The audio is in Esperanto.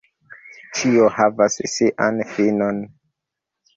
Ĉio havas sian finon.